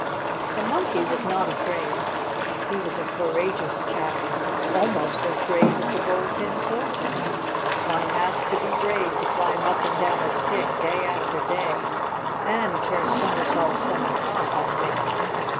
The Monkey was not afraid. He was a courageous chap, almost as brave as the Bold Tin Soldier. One has to be brave to climb up and down a stick day after day, and turn somersaults from the top; I think.